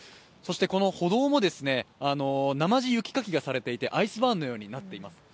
そして歩道も、なまじ雪かきがされていてアイスバーンのようになっています。